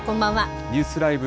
ニュースＬＩＶＥ！